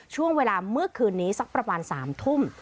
ช่วงเวลาเมื่อคืนนี้สักประมาณ๓ทุ่ม